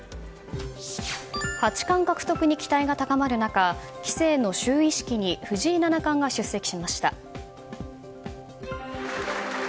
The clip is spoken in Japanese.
八冠獲得に期待が高まる中棋聖の就位式に藤井七冠が出席しました。